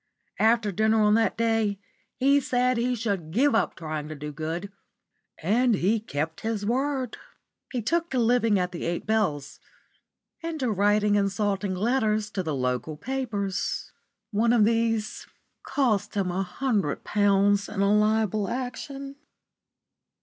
After dinner on that day he said he should give up trying to do good, and he kept his word. He took to living at the Eight Bells, and to writing insulting letters to the local papers. One of these cost him a hundred pounds in a libel action.